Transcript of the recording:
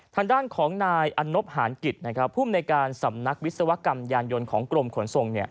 ทางด้านของนายอันนบหานกิจนะครับภูมิในการสำนักวิศวกรรมยานยนต์ของกรมขนส่ง